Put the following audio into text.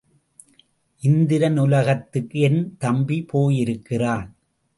இந்திரன் உலகத்துக்கு என் தம்பி போய் இருக்கிறான்.